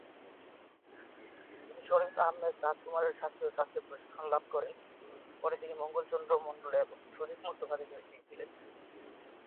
তিনি শরীফ আহমেদ রাজকুমারের শাস্ত্রীয় শাস্ত্রে প্রশিক্ষণ লাভ করেন, পরে তিনি মঙ্গল চন্দ্র মন্ডল এবং সুজিত মুস্তফা থেকে শিখেছিলেন।